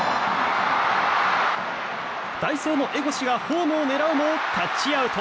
代走の江越がホームを狙うもタッチアウト。